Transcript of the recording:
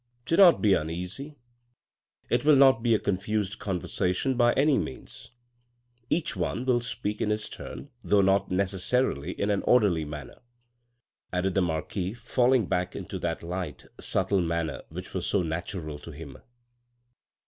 " Do not be uneasy. It will not be a confused conversation by any means. Each one will speak in his turn, though not necessarily in an orderly manner," added the marquis falling back into that light, subtle manner which was so natural to him.